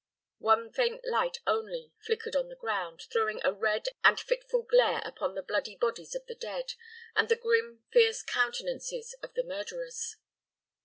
One faint light only flickered on the ground, throwing a red and fitful glare upon the bloody bodies of the dead, and the grim, fierce countenances of the murderers.